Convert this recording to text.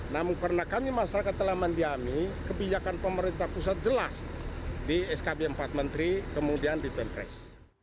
namun karena kami masyarakat telah mendiami kebijakan pemerintah pusat jelas di skb empat menteri kemudian di pempres